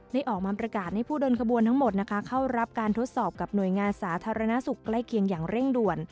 ได้ออกมาประกาศให้ผู้เดินขบวนทั้งหมดนะคะเข้ารับการทดสอบกับหน่วยงานสาธารณสุขใกล้เคียงอย่างเร่งด่วน